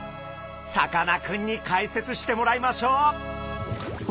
さかなクンに解説してもらいましょう。